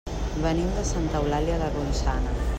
Venim de Santa Eulàlia de Ronçana.